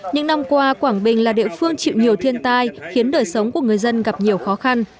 những năm qua quảng bình là địa phương chịu nhiều thiên tai khiến đời sống của người dân gặp nhiều khó khăn